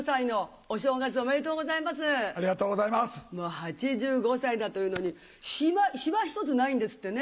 ８５歳だというのにシワひとつないんですってね。